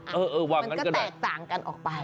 มันก็แตกต่างกันออกไป